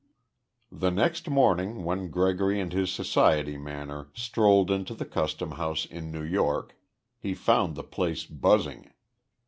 The next morning when Gregory and his society manner strolled into the customhouse in New York he found the place buzzing.